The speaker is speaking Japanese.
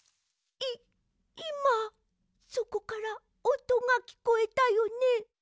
いいまそこからおとがきこえたよね？